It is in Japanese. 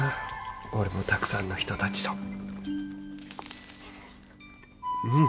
俺もたくさんの人達とうん！